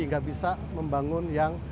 tidak bisa membangun yang